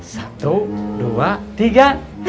satu dua tiga